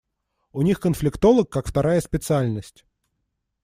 У них конфликтолог как вторая специальность.